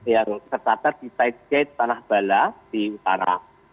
yang tercatat di side gate tanah bala di utara